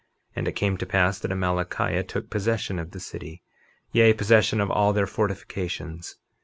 And it came to pass that Amalickiah took possession of the city, yea, possession of all their fortifications.